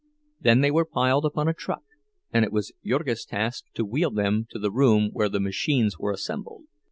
Then they were piled upon a truck, and it was Jurgis's task to wheel them to the room where the machines were "assembled."